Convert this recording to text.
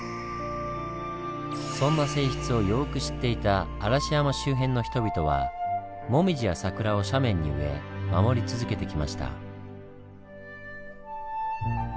そんな性質をよく知っていた嵐山周辺の人々はモミジやサクラを斜面に植え守り続けてきました。